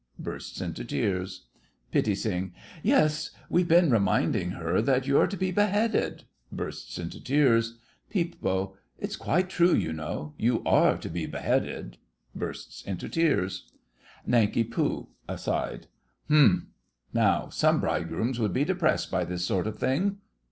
(Bursts into tears.) PITTI. Yes, we've been reminding her that you're to be beheaded. (Bursts into tears.) PEEP. It's quite true, you know, you are to be beheaded! (Bursts into tears.) NANK. (aside). Humph! Now, some bridegrooms would be depressed by this sort of thing!